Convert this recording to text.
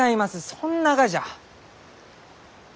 そんながじゃ！